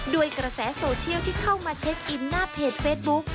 กระแสโซเชียลที่เข้ามาเช็คอินหน้าเพจเฟซบุ๊ก